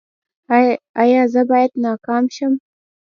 ایا زه باید ناکام شم؟